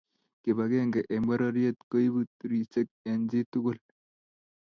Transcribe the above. Kibakenge enh bororie koibuu turishe eng chi tugul.